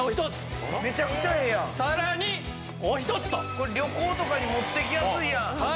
これ旅行とかに持っていきやすいやん。